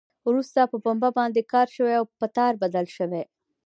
وروسته په پنبه باندې کار شوی او په تار بدل شوی.